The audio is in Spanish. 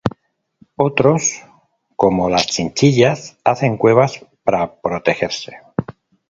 Otros, como las chinchillas, hacen cuevas para protegerse.